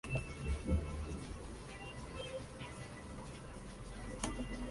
Su familia era humilde.